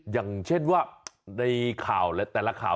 อย่างเช่นว่าในข่าวแต่ละข่าว